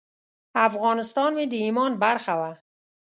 افغانستان مې د ایمان برخه وه.